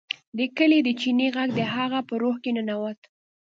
د کلي د چینې غږ د هغه په روح کې ننوت